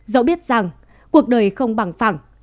dẫu biết rằng cuộc đời không bằng phẳng